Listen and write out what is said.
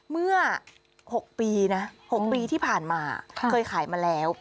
เมื่อ๖ปีนะ๖ปีที่ผ่านมาเคยขายมาแล้ว